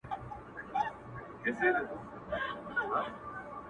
د آسمان له تشه لاسه پرېوتلې پیمانه یم.!